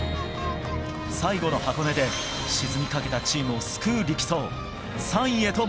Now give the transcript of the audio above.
最後の箱根で、沈みかけたチームを救う力走。